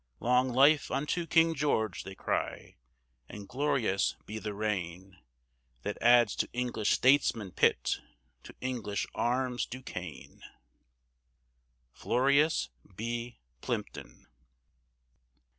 Long life unto King George!" they cry, "and glorious be the reign That adds to English statesmen Pitt, to English arms Duquesne!" FLORUS B. PLIMPTON.